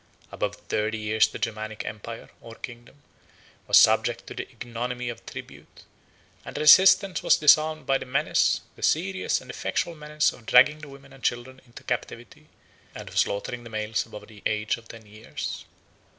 Above thirty years the Germanic empire, or kingdom, was subject to the ignominy of tribute; and resistance was disarmed by the menace, the serious and effectual menace of dragging the women and children into captivity, and of slaughtering the males above the age of ten years.